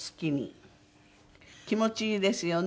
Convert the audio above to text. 気持ちいいですよね。